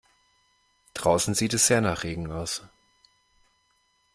Draußen sieht es sehr nach Regen aus.